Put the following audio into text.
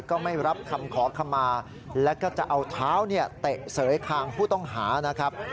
ก็ไม่รับคำขอขมาแล้วก็จะเอาเท้าเนี่ยเตะเสยคางผู้ต้องหานะครับ